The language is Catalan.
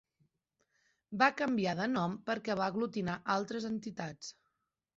Va canviar de nom perquè va aglutinar altres entitats.